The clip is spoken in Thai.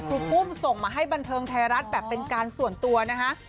รูปุ้มส่งมาให้บันเทิงไทยรัฐแบบเป็นการส่วนตัวนะคะ